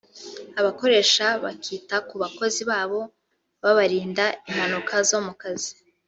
abakoresha bakita ku bakozi babo babarinda impanuka zo mu kazi